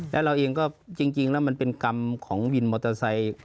แล้วเราเองก็จริงแล้วมันเป็นกรรมของวินมอเตอร์ไซค์